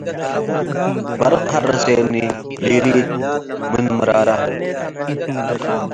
በርቅ ሀረሴኒ - ሊሊት ምን ምራራ